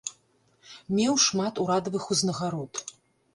Меў шмат урадавых узнагарод.